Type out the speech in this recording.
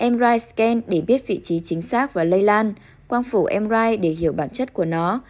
mri scan để biết vị trí chính xác và lây lan quang phủ mri để hiểu bản chất của nó